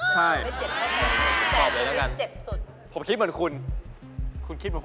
ใช่ถูกตอบเลยแล้วกันคุณคิดเจ็บสุด